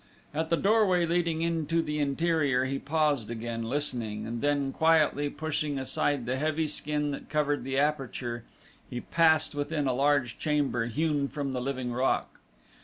At the doorway leading into the interior he paused again, listening, and then quietly pushing aside the heavy skin that covered the aperture he passed within a large chamber hewn from the living rock.